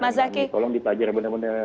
tolong dipelajari benar benar